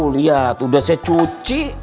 lihat udah saya cuci